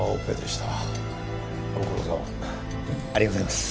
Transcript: ありがとうございます。